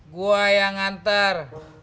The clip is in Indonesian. gue yang nganter